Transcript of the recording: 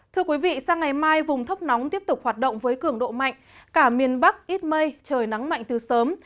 thưa quý vị sang ngày mai vùng thấp nóng tiếp tục hoạt động với cường độ mạnh cả miền bắc ít mây trời nắng mạnh từ sớm